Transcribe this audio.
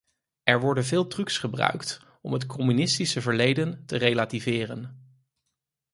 Er worden veel trucs gebruikt om het communistische verleden te relativeren.